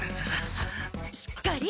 しっかり。